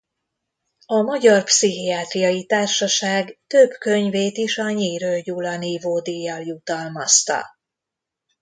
A Magyar Pszichiátriai Társaság több könyvét is a Nyírő Gyula nívódíjjal jutalmazta.